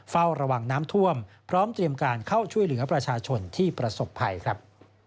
เฝ้าระวังน้ำท่วมพร้อมเตรียมการเข้าช่วยเหลือประชาชนที่ประสบภัยครับ